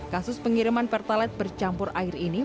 kasus pengiriman pertalite bercampur air ini